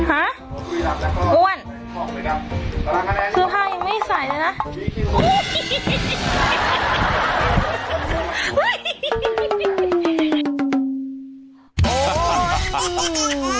อ้าอ้วนเสื้อพายังไม่ใส่เลยนะ